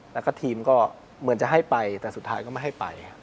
แล้วก็ทีมก็เหมือนจะให้ไปแต่สุดท้ายก็ไม่ให้ไป